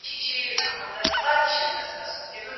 سوله د خلګو لخوا غوښتل سوې ده.